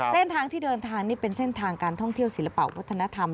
เส้นทางที่เดินทางนี่เป็นเส้นทางการท่องเที่ยวศิลปะวัฒนธรรม